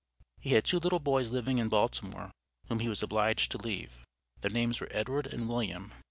He had two little boys living in Baltimore, whom he was obliged to leave. Their names were Edward and William.